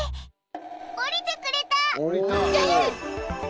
降りてくれた！